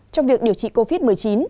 trong việc điều trị covid một mươi chín